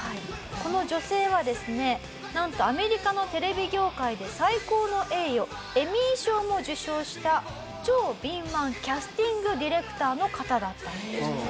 この女性はですねなんとアメリカのテレビ業界で最高の栄誉エミー賞も受賞した超敏腕キャスティングディレクターの方だったんです。